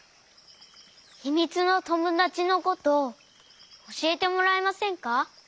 ひみつのともだちのことおしえてもらえませんか？